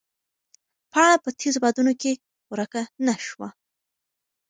پاڼه په تېزو بادونو کې ورکه نه شوه.